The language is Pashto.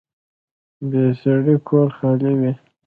بې سړي کور خالي وي